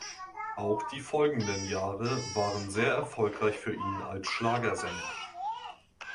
Auch die folgenden Jahre waren sehr erfolgreich für ihn als Schlagersänger.